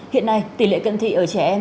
hiện nay tỉ lệ cận thị ở trẻ em